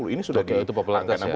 ini sudah di angka enam puluh